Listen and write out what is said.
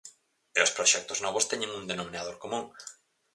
E os proxectos novos teñen un denominador común.